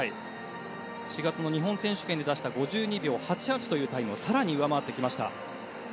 ４月の日本選手権で出した５２秒８８というタイムを更に上回ってきました。